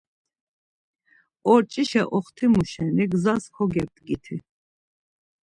Orç̌işa oxtimu şeni gzas kogebdgiti.